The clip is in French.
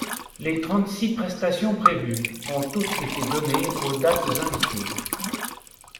Les trente-six prestations prévues ont toutes été données aux dates indiquées.